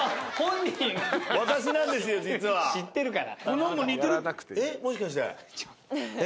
知ってるから。